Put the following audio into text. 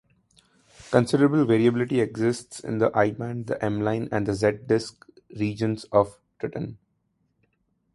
Considerable variability exists in the I-band, the M-line and the Z-disc regions of titin.